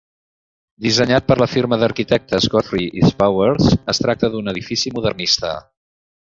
Dissenyat per la firma d'arquitectes Godfrey i Spowers, es tracta d'un edifici modernista.